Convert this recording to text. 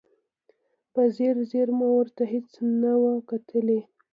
په ځیر ځیر مو ورته هېڅ نه و کتلي.